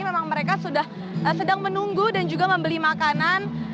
memang mereka sudah sedang menunggu dan juga membeli makanan